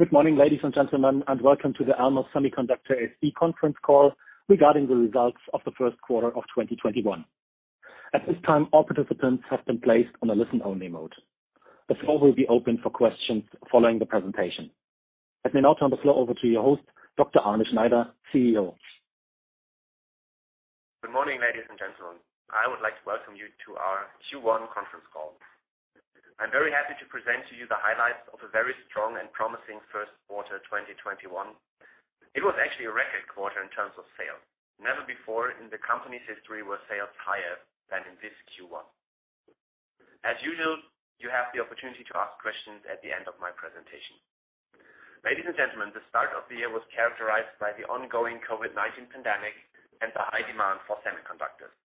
Good morning, ladies and gentlemen, and welcome to the Elmos Semiconductor SE conference call regarding the results of the first quarter of 2021. At this time, all participants have been placed on a listen-only mode. The floor will be open for questions following the presentation. Let me now turn the floor over to your host, Dr. Arne Schneider, CEO. Good morning, ladies and gentlemen. I would like to welcome you to our Q1 conference call. I'm very happy to present to you the highlights of a very strong and promising first quarter 2021. It was actually a record quarter in terms of sales. Never before in the company's history were sales higher than in this Q1. As usual, you have the opportunity to ask questions at the end of my presentation. Ladies and gentlemen, the start of the year was characterized by the ongoing COVID-19 pandemic and the high demand for semiconductors.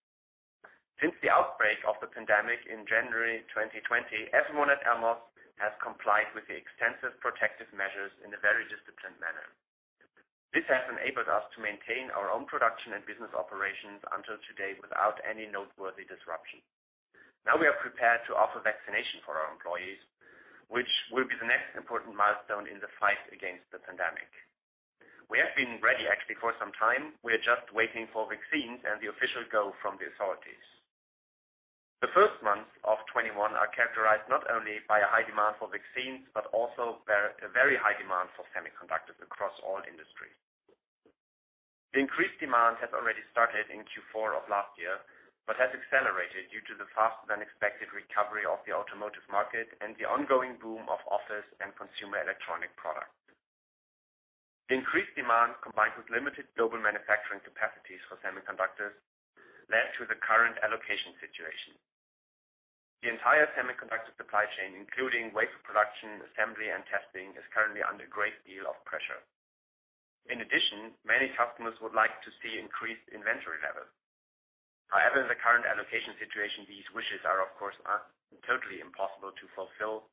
Since the outbreak of the pandemic in January 2020, everyone at Elmos has complied with the extensive protective measures in a very disciplined manner. This has enabled us to maintain our own production and business operations until today without any noteworthy disruption. Now we are prepared to offer vaccination for our employees, which will be the next important milestone in the fight against the pandemic. We have been ready actually for some time. We are just waiting for vaccines and the official go from the authorities. The first months of 2021 are characterized not only by a high demand for vaccines, but also a very high demand for semiconductors across all industries. The increased demand had already started in Q4 of last year, but has accelerated due to the faster than expected recovery of the automotive market and the ongoing boom of office and consumer electronic products. The increased demand, combined with limited global manufacturing capacities for semiconductors, led to the current allocation situation. The entire semiconductor supply chain, including wafer production, assembly, and testing, is currently under a great deal of pressure. In addition, many customers would like to see increased inventory levels. However, in the current allocation situation, these wishes are, of course, totally impossible to fulfill,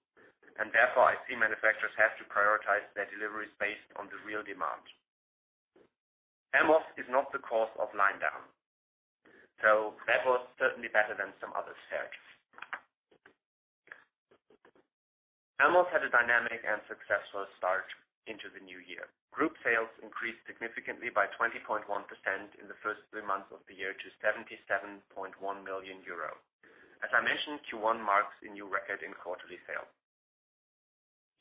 and therefore, IC manufacturers have to prioritize their deliveries based on the real demand. Elmos is not the cause of line down. That was certainly better than some others heard. Elmos had a dynamic and successful start into the new year. Group sales increased significantly by 20.1% in the first three months of the year to 77.1 million euro. As I mentioned, Q1 marks a new record in quarterly sales.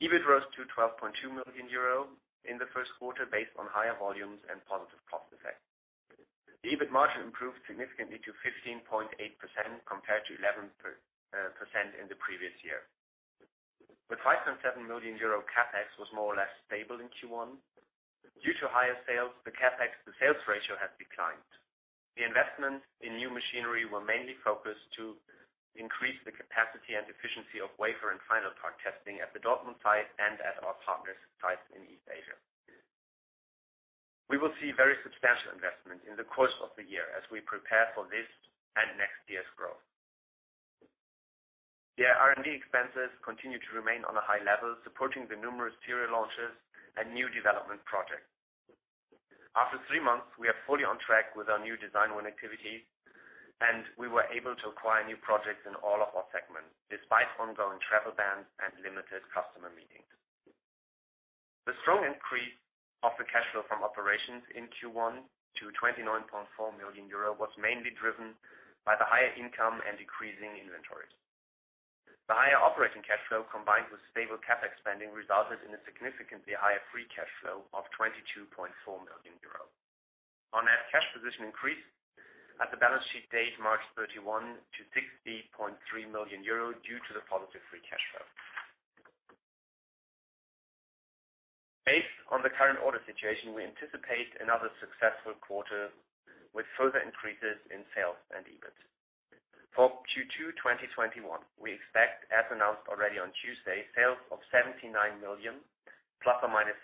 EBIT rose to 12.2 million euro in the first quarter based on higher volumes and positive cost effect. The EBIT margin improved significantly to 15.8% compared to 11% in the previous year. With 5.7 million euro, CapEx was more or less stable in Q1. Due to higher sales, the CapEx-to-sales ratio has declined. The investment in new machinery were mainly focused to increase the capacity and efficiency of wafer and final part testing at the Dortmund site and at our partner site in East Asia. We will see very substantial investment in the course of the year as we prepare for this and next year's growth. The R&D expenses continue to remain on a high level, supporting the numerous serial launches and new development projects. After three months, we are fully on track with our new design win activity, and we were able to acquire new projects in all of our segments, despite ongoing travel bans and limited customer meetings. The strong increase of the cash flow from operations in Q1 to 29.4 million euro was mainly driven by the higher income and decreasing inventories. The higher operating cash flow, combined with stable CapEx spending, resulted in a significantly higher free cash flow of 22.4 million euros. Our net cash position increased at the balance sheet date March 31 to 60.3 million euro due to the positive free cash flow. Based on the current order situation, we anticipate another successful quarter with further increases in sales and EBIT. For Q2 2021, we expect, as announced already on Tuesday, sales of 79 million ±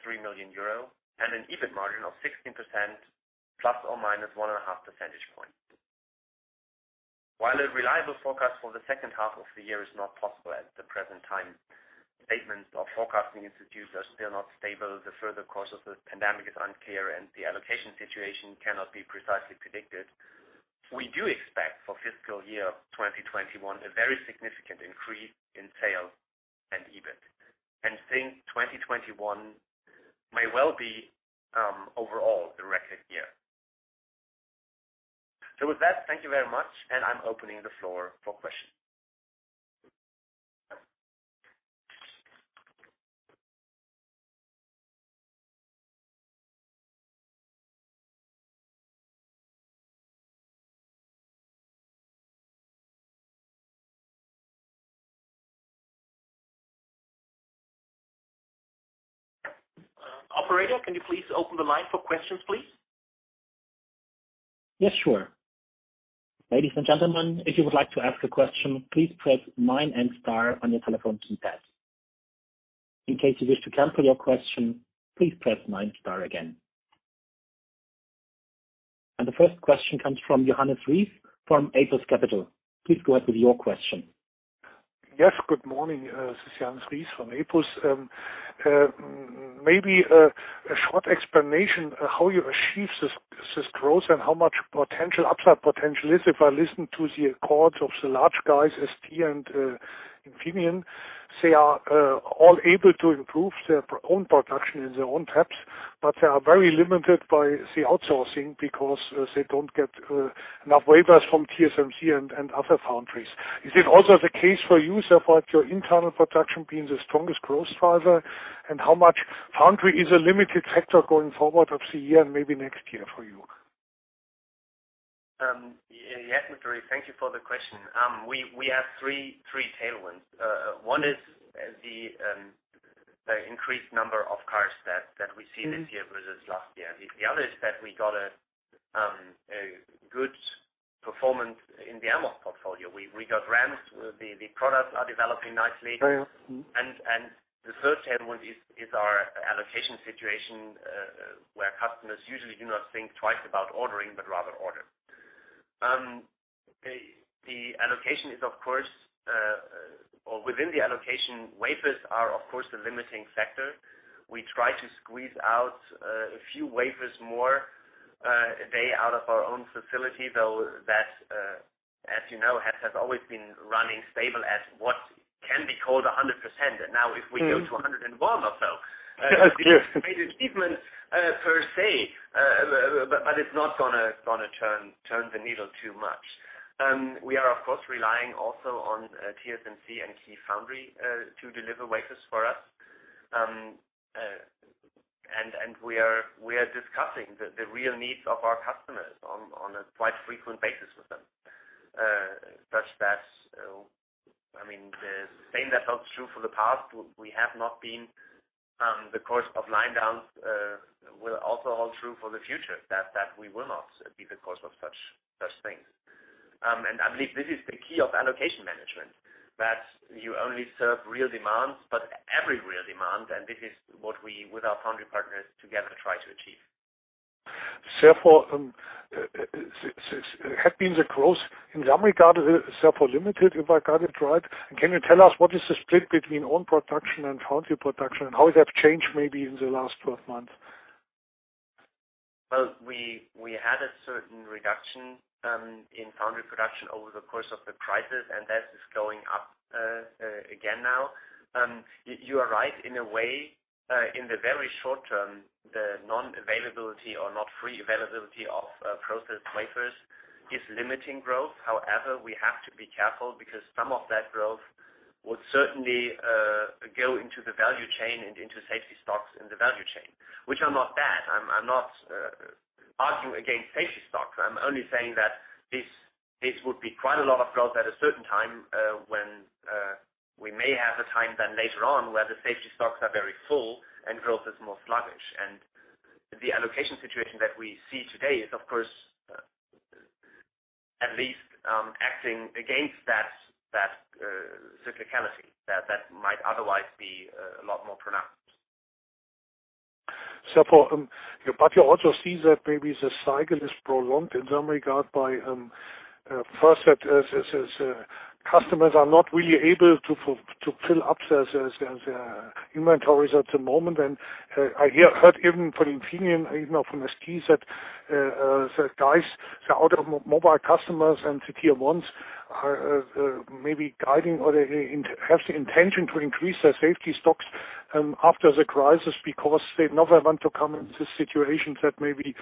3 million euro, and an EBIT margin of 16% ± 1.5 percentage point. While a reliable forecast for the second half of the year is not possible at the present time, statements of forecasting institutes are still not stable, the further course of the pandemic is unclear, and the allocation situation cannot be precisely predicted. We do expect for fiscal year 2021 a very significant increase in sales and EBIT, and think 2021 may well be, overall, the record year. With that, thank you very much, and I'm opening the floor for questions. Operator, can you please open the line for questions, please? Yes, sure. Ladies and gentlemen, if you would like to ask a question, please press nine and star on your telephone keypad. In case you wish to cancel your question, please press nine, star again. The first question comes from Johannes Ries from Apus Capital. Please go ahead with your question. Yes, good morning. This is Johannes Ries from Apus. Maybe a short explanation how you achieve this growth and how much upside potential is, if I listen to the accords of the large guys, ST and Infineon, they are all able to improve their own production in their own tabs, but they are very limited by the outsourcing because they don't get enough wafers from TSMC and other foundries. Is it also the case for you, apart your internal production being the strongest growth driver, and how much foundry is a limited factor going forward of the year and maybe next year for you? Yes, Mr. Ries, thank you for the question. We have three tailwinds. One is the increased number of cars that we see this year versus last year. The other is that we got a good performance in the AMOV portfolio. We got ramps, the products are developing nicely. Very well. The third tailwind is our allocation situation, where customers usually do not think twice about ordering, but rather order. Within the allocation, wafers are, of course, the limiting factor. We try to squeeze out a few wafers more a day out of our own facility, though that, as you know, has always been running stable as what can be called 100%. Now if we go to 101% or so. Yes. It's a great achievement per se, it's not going to turn the needle too much. We are, of course, relying also on TSMC and Key Foundry to deliver wafers for us. We are discussing the real needs of our customers on a quite frequent basis with them. Such that, the same that held true for the past, we have not been the cause of line downs, will also hold true for the future, that we will not be the cause of such things. I believe this is the key of allocation management, that you only serve real demands, but every real demand, and this is what we, with our foundry partners together, try to achieve. Therefore, has been the growth in some regard, therefore limited, if I got it right? Can you tell us what is the split between own production and foundry production, and how has that changed maybe in the last 12 months? Well, we had a certain reduction in foundry production over the course of the crisis, and that is going up again now. You are right in a way, in the very short term, the non-availability or not free availability of processed wafers is limiting growth. We have to be careful because some of that growth would certainly go into the value chain and into safety stocks in the value chain, which are not bad. I am not arguing against safety stock. I am only saying that this would be quite a lot of growth at a certain time, when we may have a time then later on where the safety stocks are very full and growth is more sluggish. The allocation situation that we see today is, of course, at least acting against that cyclicality that might otherwise be a lot more pronounced. You also see that maybe the cycle is prolonged in some regard by, first, that customers are not really able to fill up their inventories at the moment. I heard even from Infineon, even now from ST, that the guys, the auto mobile customers and the tier ones are maybe guiding or they have the intention to increase their safety stocks after the crisis because they never want to come into situations that maybe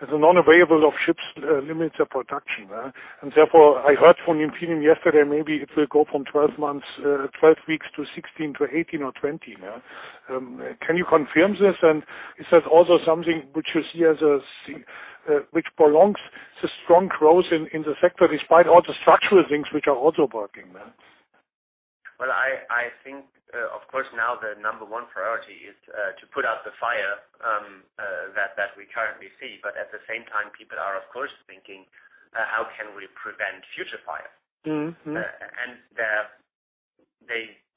the non-availability of chips limits their production. Therefore, I heard from Infineon yesterday, maybe it will go from 12 weeks to 16 to 18 or 20 now. Can you confirm this? Is that also something which you see as which prolongs the strong growth in the sector despite all the structural things which are also working? Well, I think, of course, now the number one priority is to put out the fire that we currently see. At the same time, people are, of course, thinking, "How can we prevent future fires?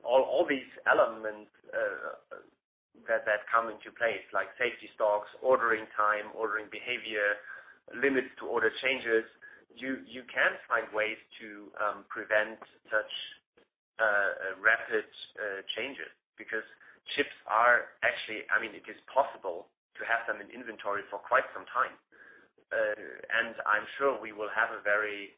All these elements that come into play, like safety stocks, ordering time, ordering behavior, limits to order changes, you can find ways to prevent such rapid changes, because chips, I mean, it is possible to have them in inventory for quite some time. I'm sure we will have a very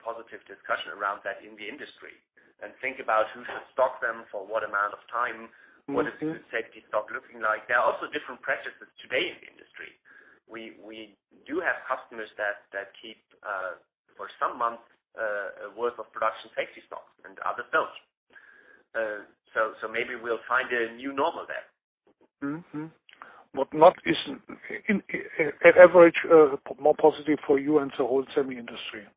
positive discussion around that in the industry and think about who should stock them for what amount of time. What is the safety stock looking like. There are also different practices today in the industry. We do have customers that keep, for some months, worth of production safety stock and others don't. Maybe we'll find a new normal there. What not is, in average, more positive for you and the whole semi industry.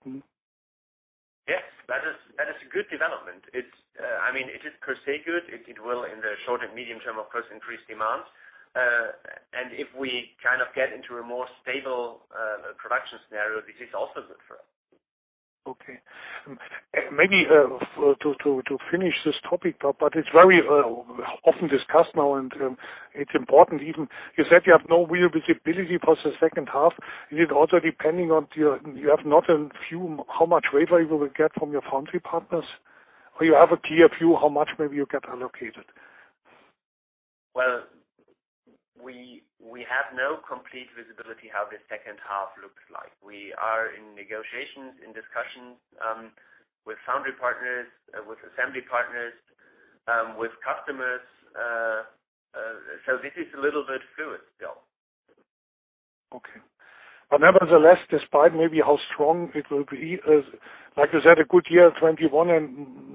Yes, that is a good development. It is per se good. It will, in the short and medium term, of course, increase demand. If we get into a more stable production scenario, this is also good for us. Okay. Maybe to finish this topic up, but it's very often discussed now, and it's important even. You said you have no real visibility for the second half, and it also depending on you have not a view how much wafers you will get from your foundry partners, or you have a key view how much maybe you get allocated? Well, we have no complete visibility how the second half looks like. We are in negotiations, in discussions, with foundry partners, with assembly partners, with customers. This is a little bit fluid still. Okay. Nevertheless, despite maybe how strong it will be, like you said, a good year 2021 and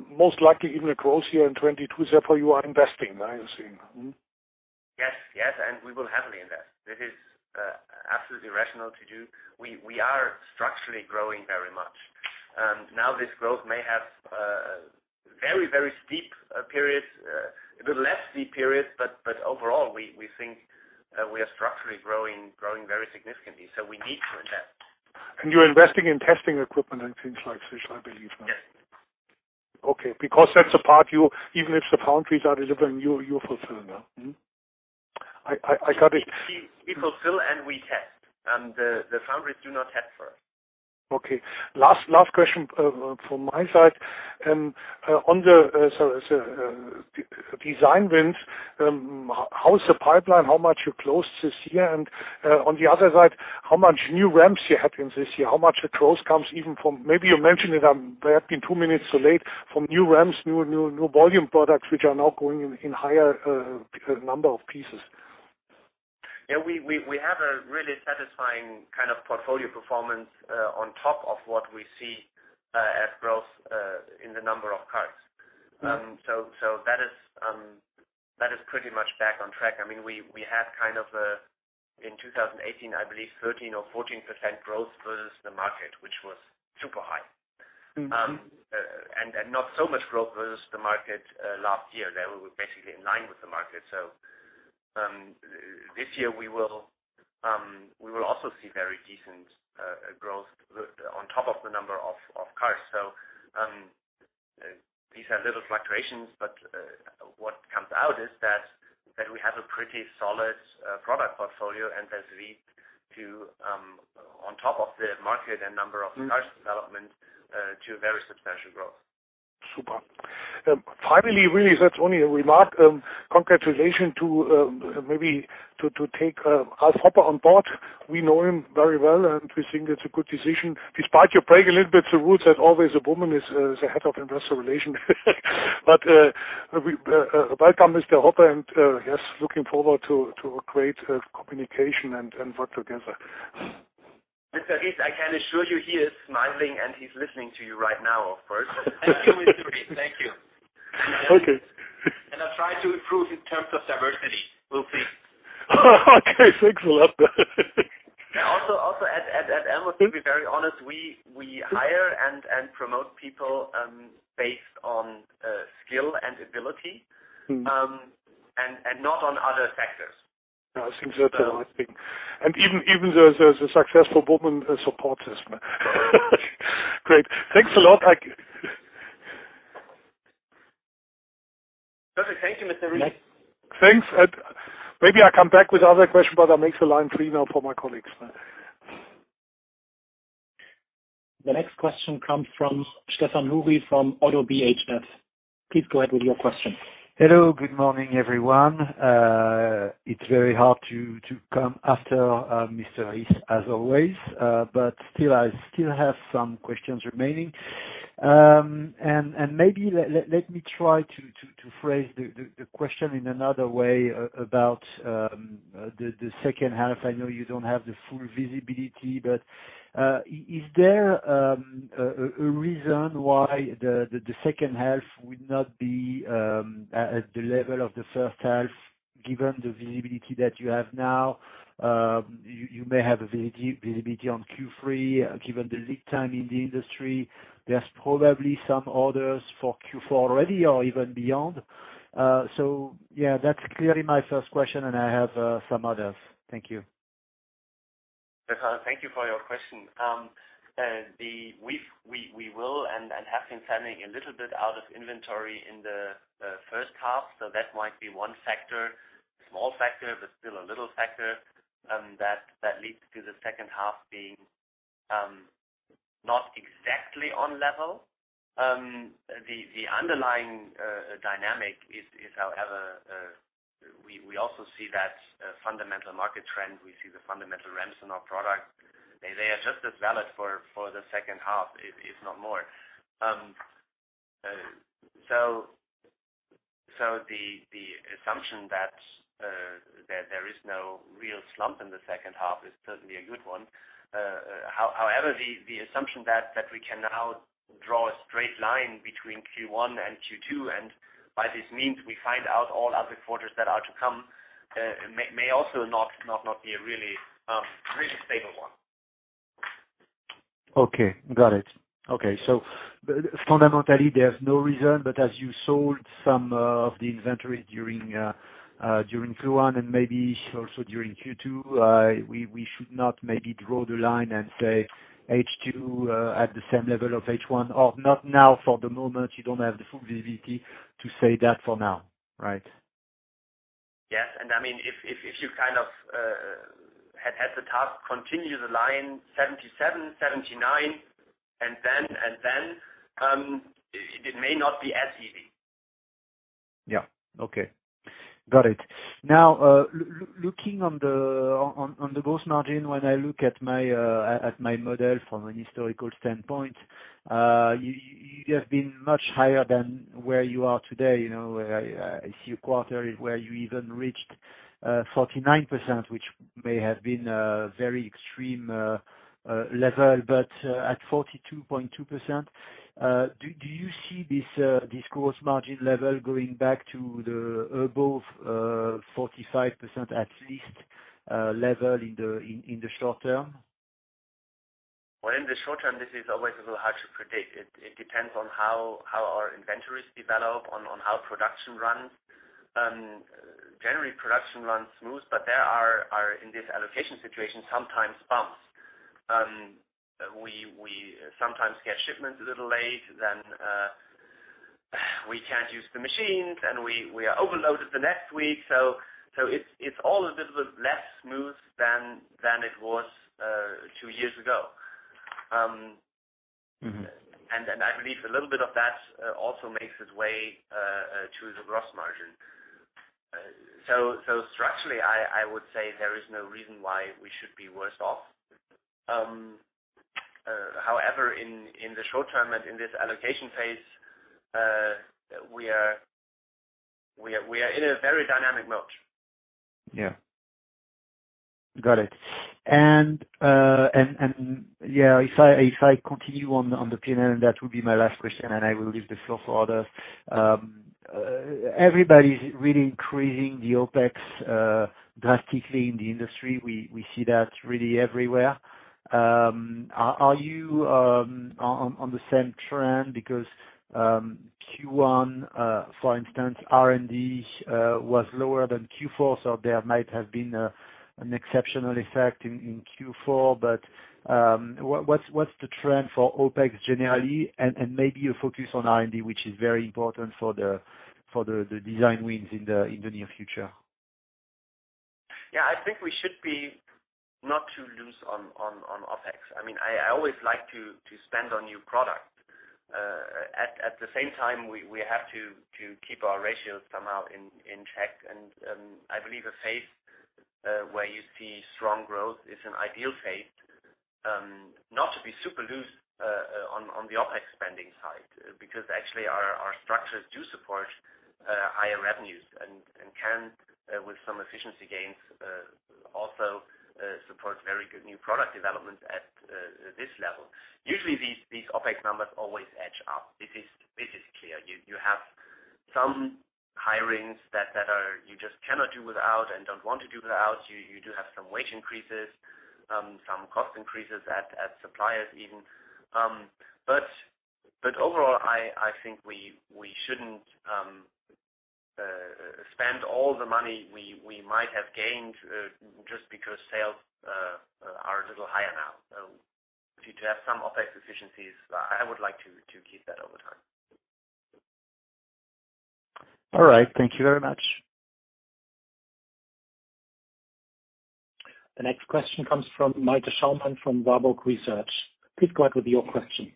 most likely even a growth year in 2022, therefore, you are investing, I assume. Yes. We will heavily invest. This is absolutely rational to do. We are structurally growing very much. Now this growth may have very steep periods, a little less steep periods, but overall, we think we are structurally growing very significantly. We need to invest. You're investing in testing equipment and things like such, I believe. Yes. Okay. That's the part, even if the foundries are delivering, you're fulfilling. I got it. We fulfill and we test. The foundries do not test for us. Okay. Last question from my side. On the design wins, how is the pipeline? How much you closed this year? On the other side, how much new ramps you had in this year? How much the growth comes even from, maybe you mentioned it, I may have been two minutes too late, from new ramps, new volume products, which are now going in higher number of pieces? Yeah. We have a really satisfying kind of portfolio performance, on top of what we see as growth in the number of cars. That is pretty much back on track. We had, in 2018, I believe 13% or 14% growth versus the market, which was super high. Not so much growth versus the market last year. There we were basically in line with the market. This year we will also see very decent growth on top of the number of cars. These have little fluctuations, but what comes out is that we have a pretty solid product portfolio, and this leads to, on top of the market and number of cars development, to very substantial growth. Super. Finally, really, that's only a remark, congratulations to maybe to take Ralf Hoppe on board. We know him very well, and we think it's a good decision despite you break a little bit the rule that always a woman is the Head of Investor Relations. Welcome Mr. Hoppe, and yes, looking forward to a great communication and work together. Mr. Ries, I can assure you he is smiling and he's listening to you right now, of course. Thank you, Mr. Ries. Thank you. Okay. I'll try to improve in terms of diversity. We'll see. Okay, thanks a lot. Also at Elmos, to be very honest, we hire and promote people based on skill and ability, and not on other factors. It seems that the right thing. Even though there's a successful woman, a support system. Great. Thanks a lot. Thank you. Perfect. Thank you, Mr. Ries. Thanks. Maybe I come back with other questions, but I'll make the line free now for my colleagues. The next question comes from Stéphane Houri from ODDO BHF. Please go ahead with your question. Hello. Good morning, everyone. It's very hard to come after Mr. Ries, as always. I still have some questions remaining. Maybe let me try to phrase the question in another way about the second half. I know you don't have the full visibility, but is there a reason why the second half would not be at the level of the first half, given the visibility that you have now? You may have a visibility on Q3, given the lead time in the industry. There's probably some orders for Q4 already or even beyond. Yeah, that's clearly my first question, and I have some others. Thank you. Stéphane, thank you for your question. We will and have been selling a little bit out of inventory in the first half, so that might be one factor. A small factor, but still a little factor, that leads to the second half being not exactly on level. The underlying dynamic is, however, we also see that fundamental market trend. We see the fundamental ramps in our product. They are just as valid for the second half, if not more. The assumption that there is no real slump in the second half is certainly a good one. However, the assumption that we can now draw a straight line between Q1 and Q2, and by this means we find out all other quarters that are to come, may also not be a really stable one. Okay. Got it. Okay. Fundamentally, there's no reason, but as you sold some of the inventory during Q1 and maybe also during Q2, we should not maybe draw the line and say H2 at the same level of H1, or not now for the moment, you don't have the full visibility to say that for now, right? Yes. As the task continues, align 1977, 1979, it may not be as easy. Yeah. Okay. Got it. Looking on the gross margin, when I look at my model from an historical standpoint, you have been much higher than where you are today. I see a quarter where you even reached 39%, which may have been a very extreme level, but at 42.2%, do you see this gross margin level going back to above 45% at least level in the short-term? Well, in the short term, this is always a little hard to predict. It depends on how our inventories develop, on how production runs. Generally, production runs smooth, there are, in this allocation situation, sometimes bumps. We sometimes get shipments a little late, then we can't use the machines, then we are overloaded the next week. It's all a little bit less smooth than it was two years ago. I believe a little bit of that also makes its way to the gross margin. Structurally, I would say there is no reason why we should be worse off. However, in the short term and in this allocation phase, we are in a very dynamic mode. Yeah. Got it. If I continue on the P&L, that will be my last question and I will leave the floor for others. Everybody's really increasing the OpEx drastically in the industry. We see that really everywhere. Are you on the same trend? Because Q1, for instance, R&D was lower than Q4, so there might have been an exceptional effect in Q4. What's the trend for OpEx generally and maybe a focus on R&D, which is very important for the design wins in the near future? Yeah, I think we should be not too loose on OpEx. I always like to spend on new product. At the same time, we have to keep our ratios somehow in check. I believe a phase where you see strong growth is an ideal phase, not to be super loose on the OpEx spending side, because actually our structures do support higher revenues and can, with some efficiency gains, also support very good new product development at this level. Usually, these OpEx numbers always edge up. This is clear. You have some hirings that you just cannot do without and don't want to do without. You do have some wage increases, some cost increases at suppliers even. Overall, I think we shouldn't spend all the money we might have gained just because sales are a little higher now. If you do have some OpEx efficiencies, I would like to keep that over time. All right. Thank you very much. The next question comes from Malte Schaumann from Warburg Research. Please go ahead with your question.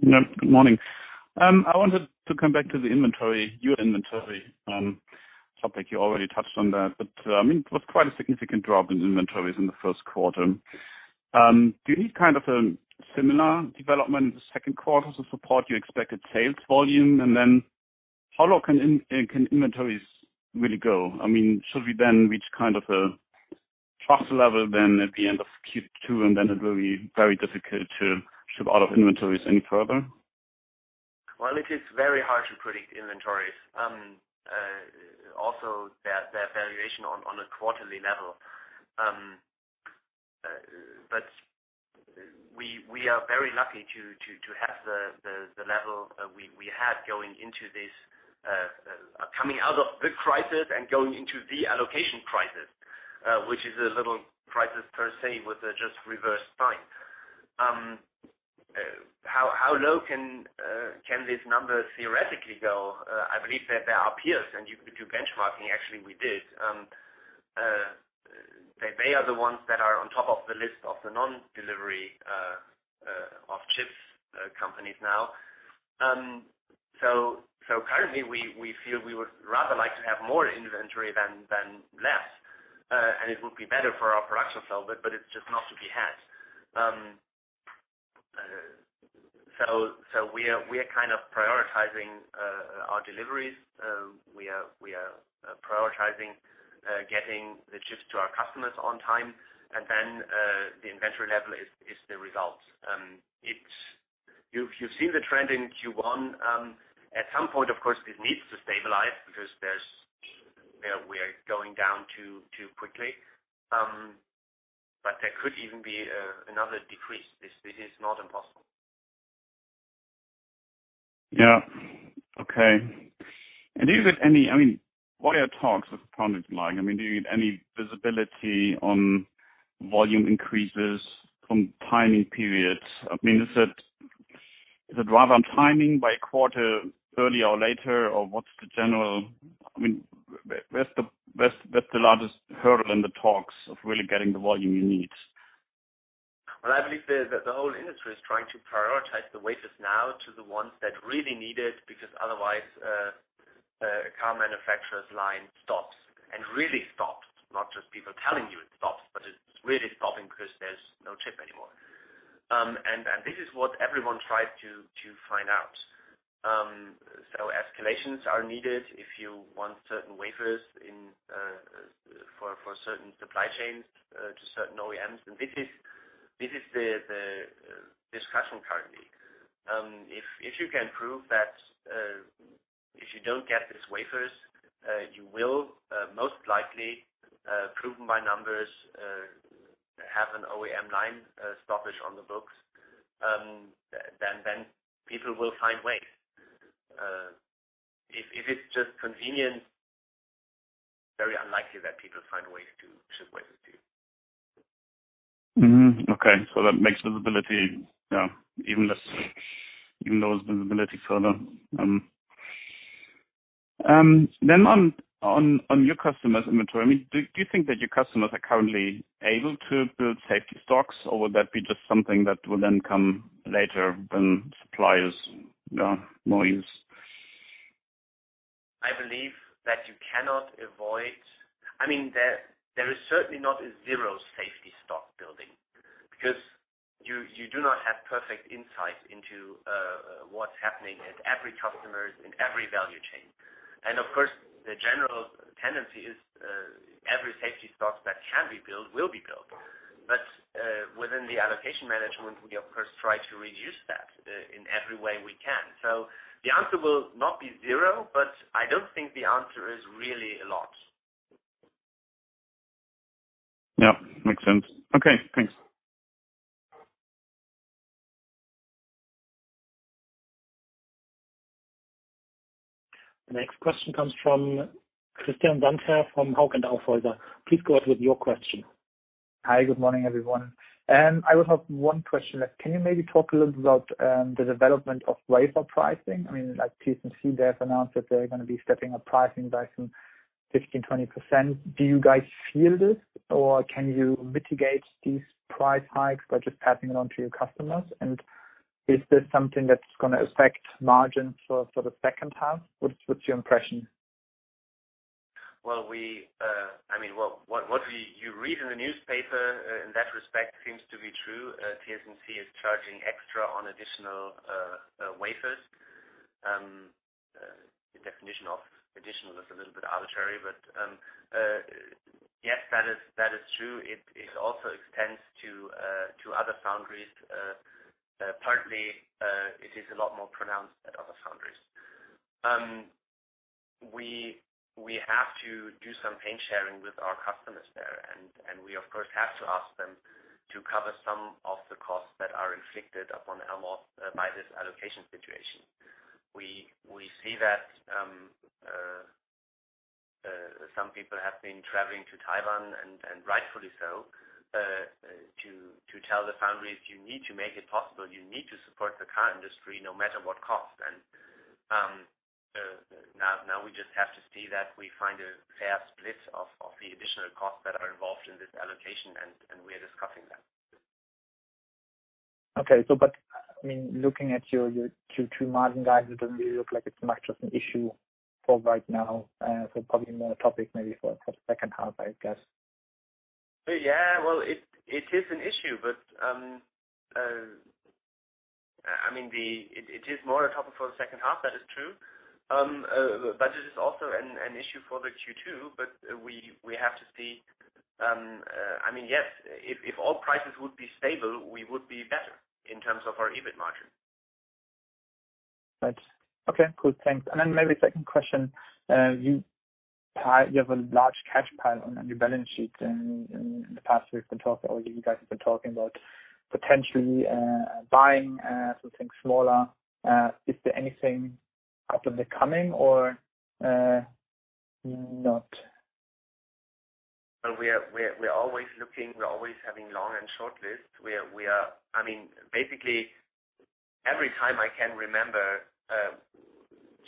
Yeah, good morning. I wanted to come back to the inventory, your inventory topic. You already touched on that, but it was quite a significant drop in inventories in the first quarter. Do you need a similar development in the second quarter to support your expected sales volume? How low can inventories really go? Should we then reach a trough level than at the end of Q2, and then it will be very difficult to ship out of inventories any further? Well, it is very hard to predict inventories, also their valuation on a quarterly level. We are very lucky to have the level we had going into this, coming out of the crisis and going into the allocation crisis, which is a little crisis per se with a just reversed sign. How low can these numbers theoretically go? I believe that there are peers and you could do benchmarking. Actually, we did. They are the ones that are on top of the list of the non-delivery of chips companies now. Currently, we feel we would rather like to have more inventory than less. It would be better for our production flow, but it's just not to be had. We are prioritizing our deliveries. We are prioritizing getting the chips to our customers on time, and then the inventory level is the result. You've seen the trend in Q1. At some point, of course, it needs to stabilize because we're going down too quickly. There could even be another decrease. This is not impossible. Yeah. Okay. What are your talks of [products line]? I mean, do you get any visibility on volume increases from timing periods? I mean, is it rather on timing by a quarter earlier or later, or where's the largest hurdle in the talks of really getting the volume you need? Well, I believe that the whole industry is trying to prioritize the wafers now to the ones that really need it, because otherwise a car manufacturer's line stops, and really stops. Not just people telling you it stops, but it's really stopping because there's no chip anymore. This is what everyone tries to find out. Escalations are needed if you want certain wafers for certain supply chains to certain OEMs. This is the discussion currently. If you can prove that if you don't get these wafers, you will, most likely, proven by numbers, have an OEM line stoppage on the books, then people will find ways. If it's just convenient, very unlikely that people find a way to ship wafers to you. Okay. That makes visibility, even lowers visibility further. On your customers' inventory, do you think that your customers are currently able to build safety stocks, or would that be just something that will then come later when supply is more eased? There is certainly not a zero safety stock building, because you do not have perfect insight into what's happening at every customer in every value chain. Of course, the general tendency is every safety stock that can be built will be built. Within the allocation management, we of course try to reduce that in every way we can. The answer will not be zero, but I don't think the answer is really a lot. Yeah. Makes sense. Okay, thanks. The next question comes from Christian Sandherr from Hauck & Aufhäuser. Please go ahead with your question. Hi, good morning, everyone. I would have one question. Can you maybe talk a little bit about the development of wafer pricing? Like TSMC, they have announced that they're going to be stepping up pricing by some 15%, 20%. Do you guys feel this? Or can you mitigate these price hikes by just passing it on to your customers? Is this something that's going to affect margin for the second half? What's your impression? What you read in the newspaper in that respect seems to be true. TSMC is charging extra on additional wafers. The definition of additional is a little bit arbitrary, but yes, that is true. It also extends to other foundries. Partly, it is a lot more pronounced at other foundries. We have to do some pain sharing with our customers there, and we of course have to ask them to cover some of the costs that are inflicted upon Elmos by this allocation situation. We see that some people have been traveling to Taiwan, and rightfully so, to tell the foundries, you need to make it possible. You need to support the car industry no matter what cost. Now we just have to see that we find a fair split of the additional costs that are involved in this allocation, and we are discussing that. Okay. Looking at your two margin guides, it doesn't really look like it's much of an issue for right now. Probably more a topic maybe for the second half, I guess. Yeah. Well, it is an issue, but it is more a topic for the second half, that is true. It is also an issue for the Q2, but we have to see. Yes, if all prices would be stable, we would be better in terms of our EBIT margin. Right. Okay, cool. Thanks. Maybe second question. You have a large cash pile on your balance sheet. In the past, you guys have been talking about potentially buying something smaller. Is there anything up and coming or not? We're always looking. We're always having long and short lists. Basically, every time I can remember,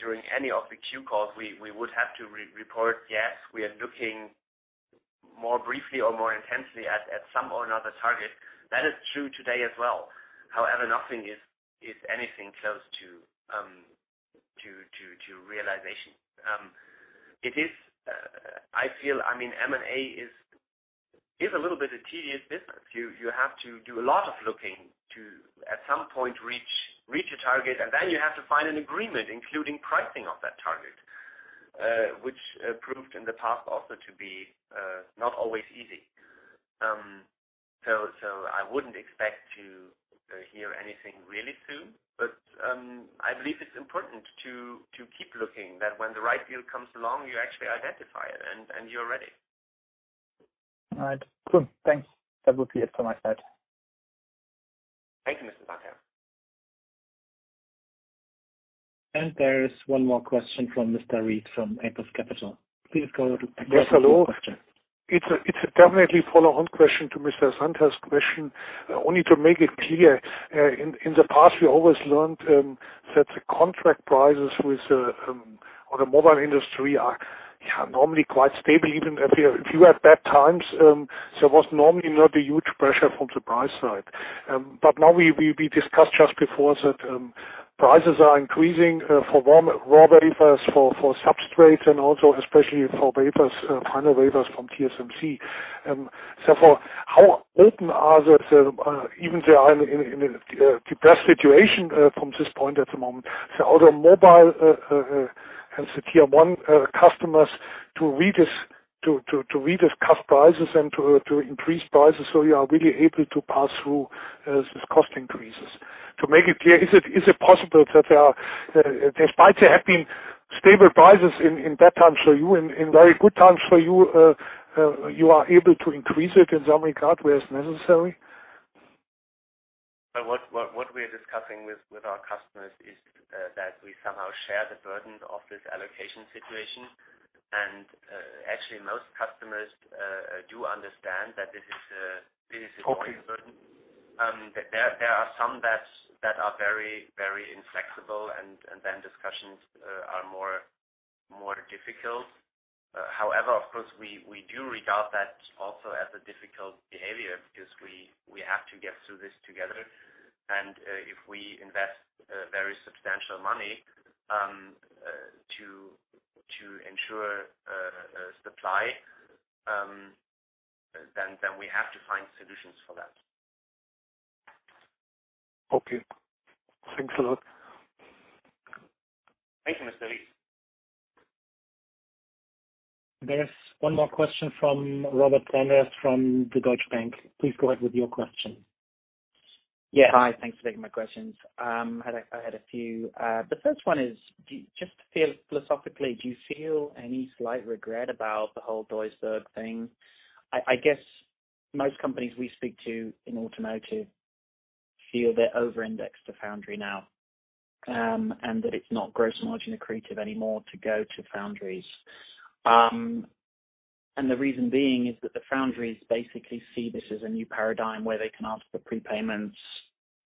during any of the Q calls, we would have to report, yes, we are looking more briefly or more intensely at some or another target. That is true today as well. Nothing is anything close to realization. I feel M&A is a little bit a tedious business. You have to do a lot of looking to, at some point, reach a target, and then you have to find an agreement, including pricing of that target, which proved in the past also to be not always easy. I wouldn't expect to hear anything really soon. I believe it's important to keep looking, that when the right deal comes along, you actually identify it and you're ready. All right, cool. Thanks. That would be it for my side. Thank you, Mr. Sandherr. There is one more question from Mr. Ries from Apus Capital. Please go ahead with your question. Yes, hello. It's definitely a follow-on question to Mr. Sandherr's question. Only to make it clear, in the past, we always learned that the contract prices on the mobile industry are normally quite stable, even if you had bad times. There was normally not a huge pressure from the price side. Now we discussed just before that prices are increasing for raw wafers, for substrates, and also especially for final wafers from TSMC. Even they are in a depressed situation from this point at the moment. Are the mobile and the Tier 1 customers to reduce cut prices and to increase prices, so you are really able to pass through these cost increases? To make it clear, is it possible that there are, despite there having stable prices in bad times for you, in very good times for you are able to increase it in some regard where it's necessary? What we are discussing with our customers is that we somehow share the burdens of this allocation situation. Actually, most customers do understand that this is a burden. Okay. There are some that are very inflexible and then discussions are more difficult. However, of course, we do regard that also as a difficult behavior because we have to get through this together. If we invest very substantial money to ensure supply, then we have to find solutions for that. Okay. Thanks a lot. Thank you, Mr. Ries. There's one more question from Robert Sanders from the Deutsche Bank. Please go ahead with your question. Hi, thanks for taking my questions. I had a few. The first one is, just philosophically, do you feel any slight regret about the whole Duisburg thing? I guess most companies we speak to in automotive feel they're over-indexed to foundry now, and that it's not gross margin accretive anymore to go to foundries. The reason being is that the foundries basically see this as a new paradigm where they can ask for prepayments,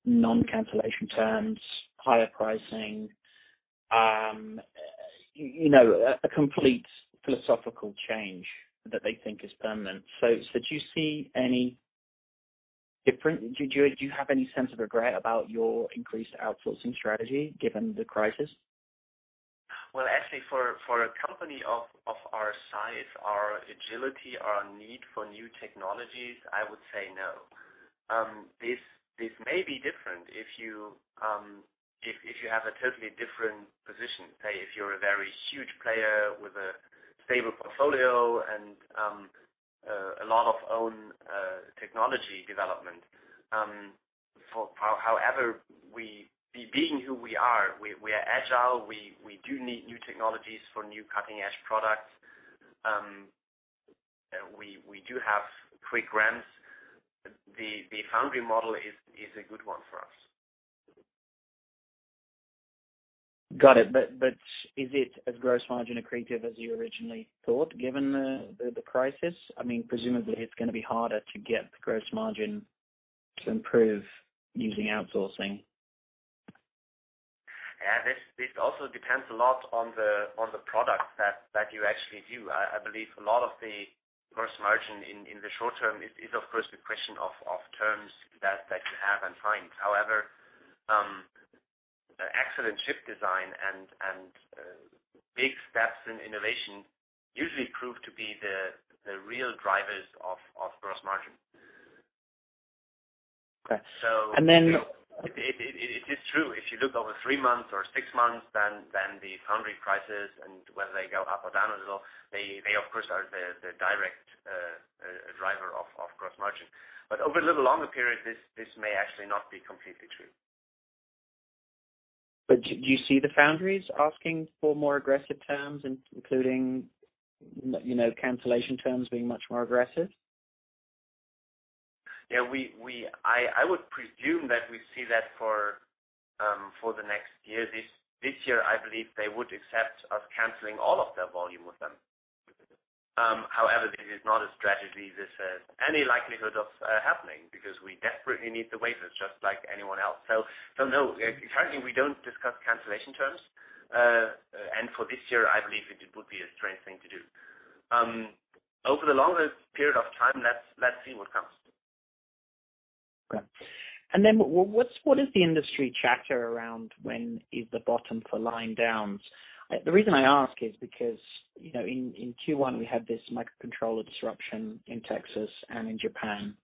non-cancellation terms, higher pricing. A complete philosophical change that they think is permanent. Do you see any difference? Do you have any sense of regret about your increased outsourcing strategy, given the crisis? Well, actually, for a company of our size, our agility, our need for new technologies, I would say no. This may be different if you have a totally different position. Say, if you're a very huge player with a stable portfolio and a lot of own technology development. However, being who we are, we are agile. We do need new technologies for new cutting-edge products. We do have quick ramps. The foundry model is a good one for us. Got it. Is it as gross margin accretive as you originally thought, given the prices? Presumably it's going to be harder to get the gross margin to improve using outsourcing. Yeah. This also depends a lot on the product that you actually do. I believe a lot of the gross margin in the short term is of course a question of terms that you have and find. However, excellent chip design and big steps in innovation usually prove to be the real drivers of gross margin. Okay. It is true. If you look over three months or six months, then the foundry prices and whether they go up or down a little, they of course are the direct driver of gross margin. Over a little longer period, this may actually not be completely true. Do you see the foundries asking for more aggressive terms, including cancellation terms being much more aggressive? Yeah. I would presume that we see that for the next year. This year, I believe they would accept us canceling all of the volume with them. However, this is not a strategy, this has any likelihood of happening because we desperately need the wafers just like anyone else. No, currently, we don't discuss cancellation terms. For this year, I believe it would be a strange thing to do. Over the longer period of time, let's see what comes. Okay. What is the industry chatter around when is the bottom for line downs? The reason I ask is because, in Q1, we had this microcontroller disruption in Texas and in Japan,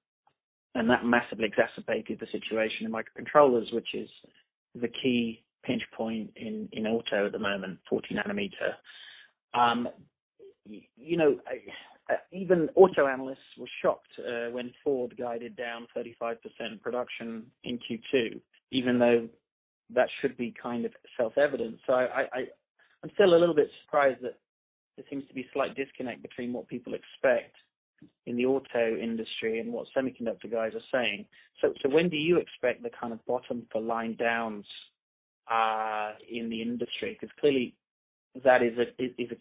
and that massively exacerbated the situation in microcontrollers, which is the key pinch point in auto at the moment, 40 nm. Even auto analysts were shocked when Ford guided down 35% production in Q2, even though that should be self-evident. I'm still a little bit surprised that there seems to be slight disconnect between what people expect in the auto industry and what semiconductor guys are saying. When do you expect the kind of bottom for line downs in the industry? Because clearly that is a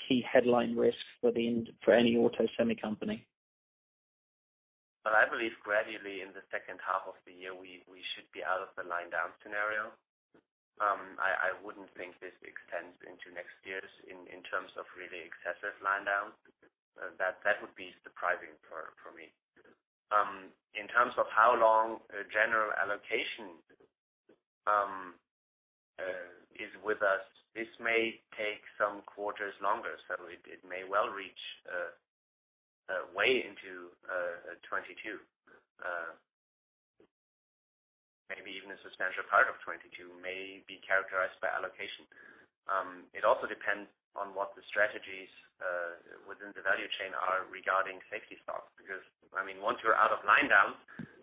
key headline risk for any auto semi company. Well, I believe gradually in the second half of the year, we should be out of the line down scenario. I wouldn't think this extends into next year in terms of really excessive line down. That would be surprising for me. In terms of how long a general allocation is with us, this may take some quarters longer. It may well reach way into 2022. Maybe even a substantial part of 2022 may be characterized by allocation. It also depends on what the strategies within the value chain are regarding safety stock. Once you're out of line down,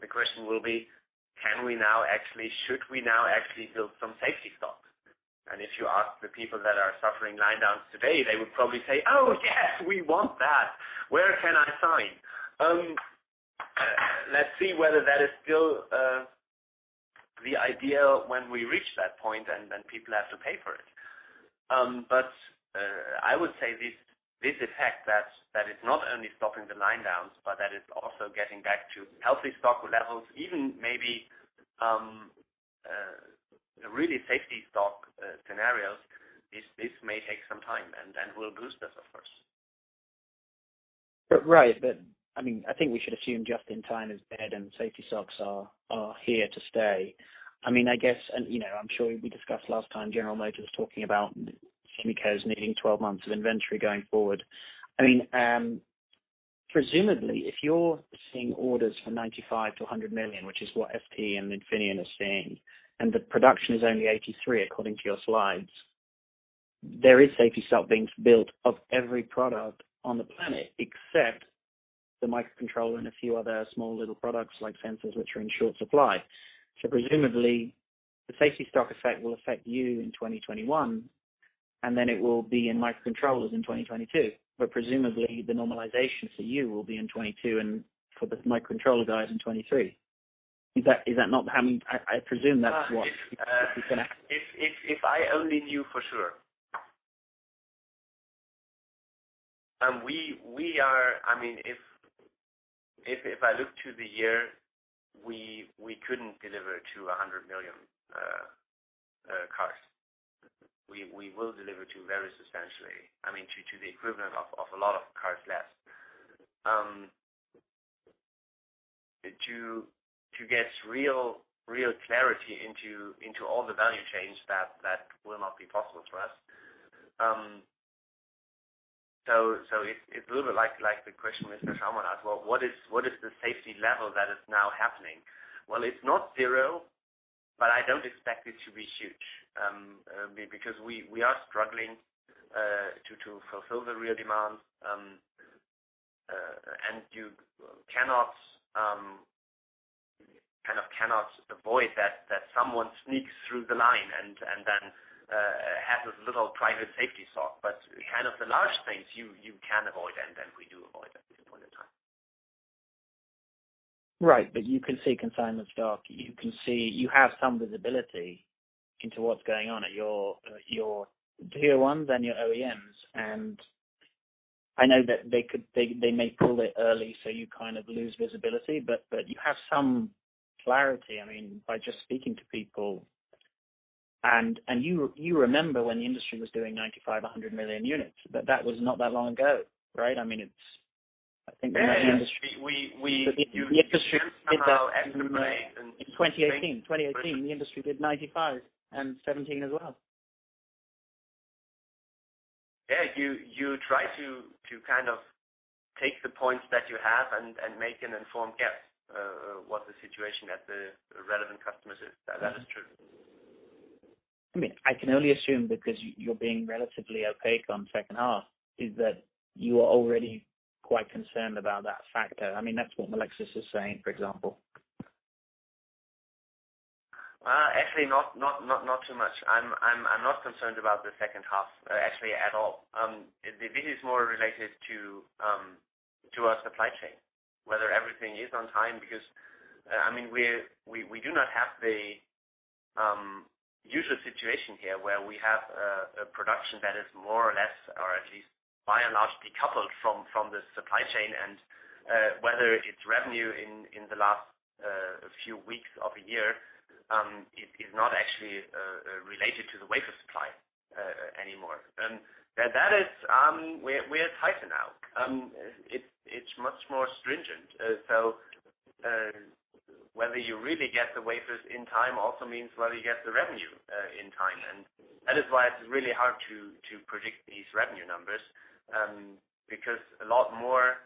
the question will be, should we now actually build some safety stock? If you ask the people that are suffering line downs today, they would probably say, "Oh yes, we want that. Where can I sign?" Let's see whether that is still the idea when we reach that point, and then people have to pay for it. I would say this effect that is not only stopping the line downs, but that is also getting back to healthy stock levels, even maybe really safety stock scenarios, this may take some time, and will boost us of course. Right. I think we should assume just in time is dead and safety stocks are here to stay. I'm sure we discussed last time General Motors talking about semi cars needing 12 months of inventory going forward. Presumably, if you're seeing orders for 95 million to 100 million, which is what ST and Infineon are seeing, and the production is only 83, according to your slides. There is safety stock being built of every product on the planet, except the microcontroller and a few other small little products like sensors which are in short supply. Presumably, the safety stock effect will affect you in 2021, and then it will be in microcontrollers in 2022. Presumably, the normalization for you will be in 2022, and for the microcontroller guys in 2023. I presume that's what is going to happen. If I only knew for sure. If I look to the year, we couldn't deliver to 100 million cars. We will deliver to various substantially, to the equivalent of a lot of cars less. To get real clarity into all the value chains, that will not be possible for us. It's a little bit like the question Mr. Schaumann asked. Well, what is the safety level that is now happening? Well, it's not zero, but I don't expect it to be huge. Because we are struggling to fulfill the real demand, and you cannot avoid that someone sneaks through the line and then has his little private safety stock. But the large things, you can avoid, and then we do avoid them at this point in time. Right. You can see consignments stock. You have some visibility into what's going on at your Tier 1s and your OEMs, and I know that they may pull it early, so you kind of lose visibility, but you have some clarity, by just speaking to people. You remember when the industry was doing 95, 100 million units. That was not that long ago, right? Yeah. The industry did that in 2018. 2018, the industry did 95, and 2017 as well. Yeah, you try to take the points that you have and make an informed guess what the situation at the relevant customers is. That is true. I can only assume because you're being relatively opaque on second half, is that you are already quite concerned about that factor. That's what Melexis is saying, for example. Actually, not too much. I'm not concerned about the second half actually at all. This is more related to our supply chain, whether everything is on time, because we do not have the usual situation here where we have a production that is more or less or at least by and large decoupled from the supply chain, and whether it's revenue in the last few weeks of a year, is not actually related to the wafer supply anymore. We're tighter now. It's much more stringent. Whether you really get the wafers in time also means whether you get the revenue in time. That is why it's really hard to predict these revenue numbers, because a lot more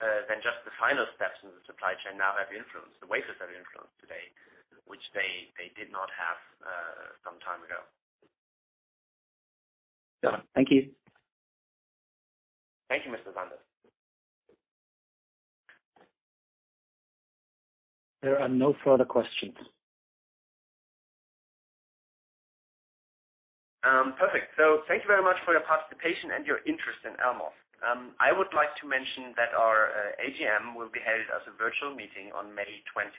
than just the final steps in the supply chain now have influence. The wafers have influence today, which they did not have some time ago. Yeah. Thank you. Thank you, Mr. Sanders. There are no further questions. Perfect. Thank you very much for your participation and your interest in Elmos. I would like to mention that our AGM will be held as a virtual meeting on May 20.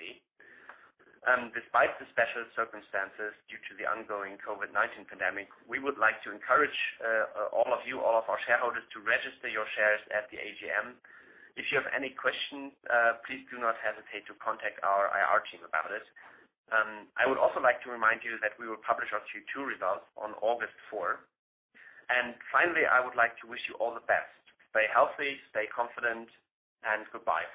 Despite the special circumstances due to the ongoing COVID-19 pandemic, we would like to encourage all of you, all of our shareholders, to register your shares at the AGM. If you have any questions, please do not hesitate to contact our IR team about it. I would also like to remind you that we will publish our Q2 results on August 4. Finally, I would like to wish you all the best. Stay healthy, stay confident, and goodbye.